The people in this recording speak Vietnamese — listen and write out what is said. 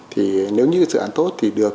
thì nếu như sử án tốt thì được